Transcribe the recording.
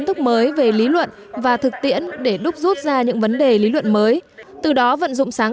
thức mới về lý luận và thực tiễn để đúc rút ra những vấn đề lý luận mới từ đó vận dụng sáng